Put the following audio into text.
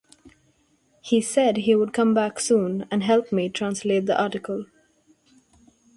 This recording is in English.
He said he would come back soon and help me translate the article.